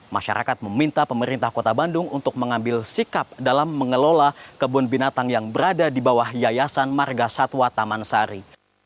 masyarakat meminta pemerintah kota bandung untuk mengambil sikap dalam mengelola kebun binatang yang berada di bawah yayasan marga satwa taman sari